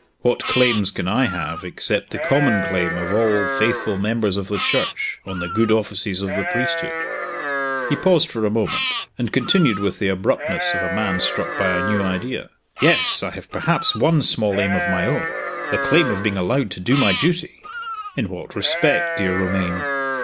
"What claims can I have, except the common claim of all faithful members of the Church on the good offices of the priesthood?" He paused for a moment, and continued with the abruptness of a man struck by a new idea. "Yes! I have perhaps one small aim of my own the claim of being allowed to do my duty." "In what respect, dear Romayne?"